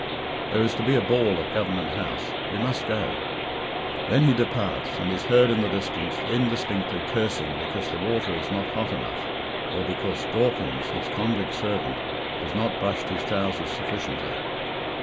There is to be a ball at Government House. We must go." Then he departs, and is heard in the distance indistinctly cursing because the water is not hot enough, or because Dawkins, his convict servant, has not brushed his trousers sufficiently.